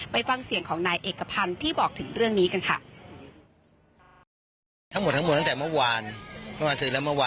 ฟังเสียงของนายเอกพันธ์ที่บอกถึงเรื่องนี้กันค่ะ